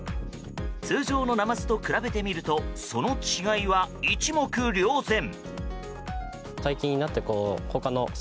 通常のナマズと比べてみるとその違いは一目瞭然。